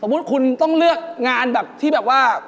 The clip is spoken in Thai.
คุณต้องเลือกงานแบบที่แบบว่า